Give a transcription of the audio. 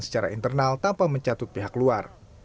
secara internal tanpa mencatut pihak luar